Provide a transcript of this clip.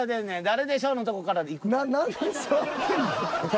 「誰でしょう？」のとこからで行くから。